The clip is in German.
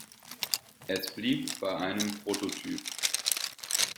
Es blieb bei einem Prototyp.